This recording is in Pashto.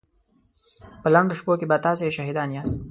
په لنډو شپو کې به تاسې شاهدان ياست.